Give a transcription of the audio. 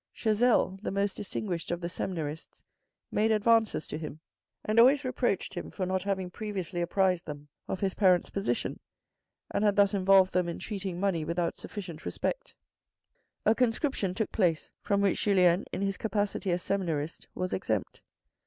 Chazel, the most distinguished of the seminarists, made advances to him, and always reproached him for not having previously apprised them of his parents' position and had thus involved them in treating money without sufficient respect. A conscription took place, from which Julien, in his capacity as seminarist, was exempt.